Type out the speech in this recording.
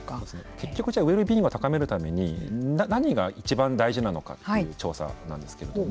結局ウェルビーイングを高めるために何がいちばん大事なのかという調査なんですけれども。